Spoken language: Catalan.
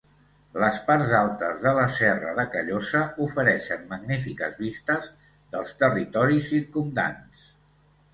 Les parts altes de la Serra de Callosa ofereixen magnífiques vistes dels territoris circumdants.